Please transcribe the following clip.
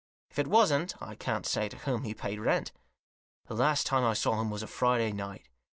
If it wasn't I can't say to whom he paid rent. The last time I saw him was a Friday night.